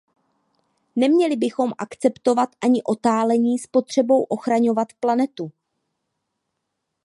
Neměli bychom akceptovat ani otálení s potřebou ochraňovat planetu.